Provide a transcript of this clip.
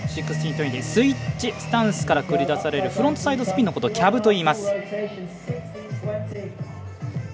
スイッチスタンスから繰り出されるフロントサイドスピンのことをキャブといいます。